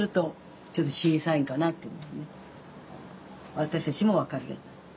私たちも分かる。